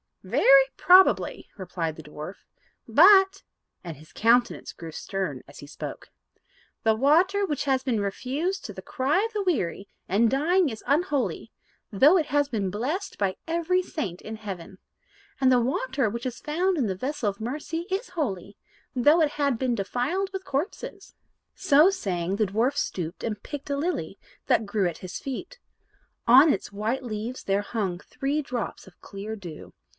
"Very probably," replied the dwarf; "but," and his countenance grew stern as he spoke, "the water which has been refused to the cry of the weary and dying is unholy, though it had been blessed by every saint in heaven; and the water which is found in the vessel of mercy is holy, though it had been defiled with corpses." So saying, the dwarf stooped and plucked a lily that grew at his feet. On its white leaves there hung three drops of clear dew.